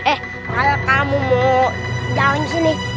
eh kalau kamu mau down sini